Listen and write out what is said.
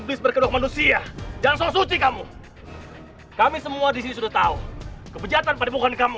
itu tidak hal